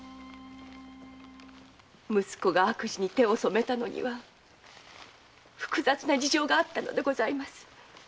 息子が悪事に手を染めたのには複雑な事情があったのです。